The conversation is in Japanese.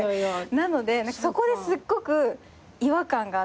なのでそこですっごく違和感があって。